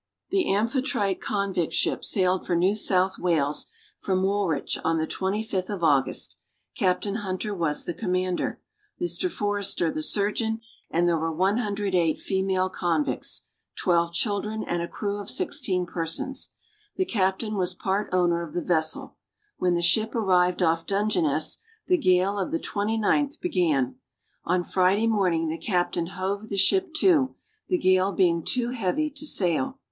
The Amphitrite convict ship sailed for New South Wales from Woolwich on the 25th of August. Capt. Hunter was the commander; Mr. Forrester the surgeon; and there were 108 female convicts, 12 children and a crew of 16 persons. The captain was part owner of the vessel. When the ship arrived off Dungeness, the gale of the 29th began. On Friday morning the captain hove the ship to, the gale being too heavy to sail.